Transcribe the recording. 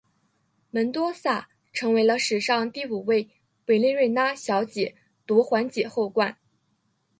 门多萨成为了史上第五位委内瑞拉小姐夺环姐后冠。